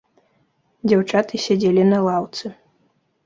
Дзяўчаты сядзелі на лаўцы.